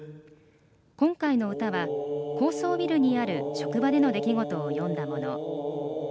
今回の歌は、高層ビルにある職場での出来事を詠んだもの。